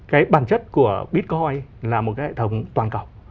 cái bản chất của bitcoin là một cái hệ thống toàn cầu